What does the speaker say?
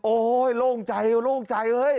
โอ้โฮโล่งใจโล่งใจ